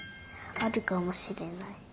あるかもしれない。